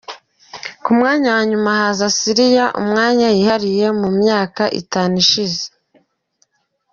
Ku mwanya wa nyuma haza Syria, umwanya yihariye mu myaka itanu ishize.